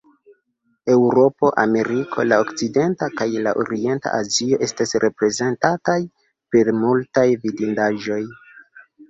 Eŭropo, Ameriko, La Okcidenta kaj la Orienta Azio estas reprezentataj per multaj vidindaĵoj.